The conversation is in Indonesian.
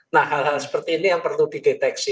nah hal hal seperti ini yang perlu dideteksi